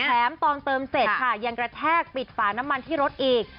แถมตอนเติมเสร็จค่ะยังกระแทกปิดฝาน้ำมันที่รถอีก